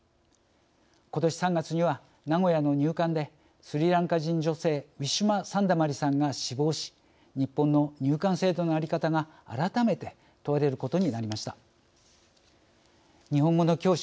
ことし３月には名古屋の入管でスリランカ人女性ウィシュマ・サンダマリさんが死亡し日本の入管制度のあり方が改めて問われることになりました。